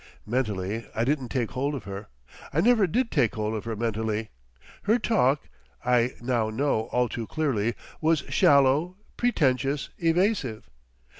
Mentally I didn't take hold of her. I never did take hold of her mentally. Her talk, I now know all too clearly, was shallow, pretentious, evasive.